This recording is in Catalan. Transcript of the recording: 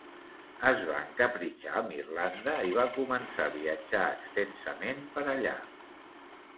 Es va encapritxar amb Irlanda, i va començar a viatjar extensament per allà.